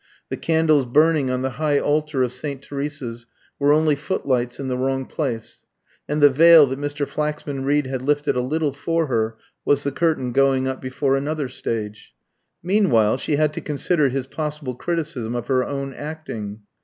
The candles burning on the high altar of St. Teresa's were only footlights in the wrong place; and the veil that Mr. Flaxman Reed had lifted a little for her was the curtain going up before another stage. Meanwhile while she had to consider his possible criticism of her own acting.